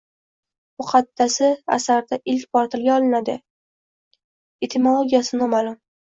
Muqaddasi asarida ilk bor tilga olinadi. Etimologiyasi noma’lum.